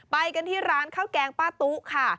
ไปกันที่ร้านข้าวแกงป้าตุ๊ค่ะ